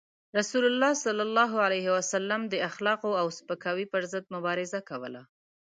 رسول الله صلى الله عليه وسلم د اخلاقو او سپکاوي پر ضد مبارزه کوله.